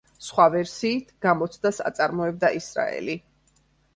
სხვა ვერსიით, გამოცდას აწარმოებდა ისრაელი.